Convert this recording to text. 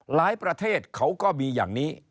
ประเทศเขาก็มีอย่างนี้